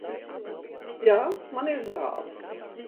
Jā, man ir zāles.